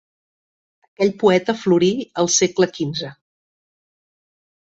Aquell poeta florí al segle quinze.